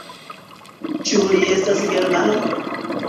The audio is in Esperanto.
Ĉu li estas germano?